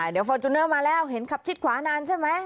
เดี๋ยวฟอร์จูเนอร์มาแล้วเห็นขับชิดขวานานใช่ไหม